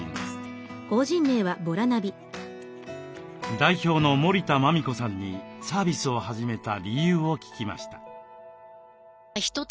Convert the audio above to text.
代表の森田麻美子さんにサービスを始めた理由を聞きました。